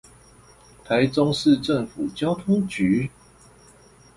臺中市政府交通局